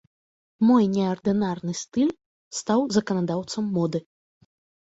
Мой неардынарны стыль стаў заканадаўцам моды.